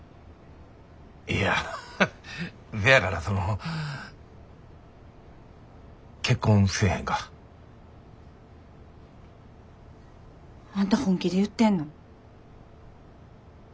いやハハせやからその結婚せえへんか。あんた本気で言ってんの？